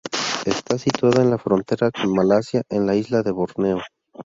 Está situada en la frontera con Malasia en la isla de Borneo.